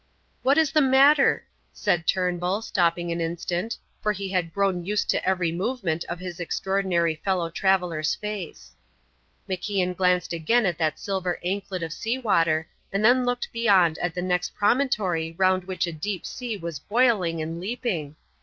"What is the matter?" said Turnbull, stopping an instant, for he had grown used to every movement of his extraordinary fellow traveller's face. MacIan glanced again at that silver anklet of sea water and then looked beyond at the next promontory round which a deep sea was boiling and leaping.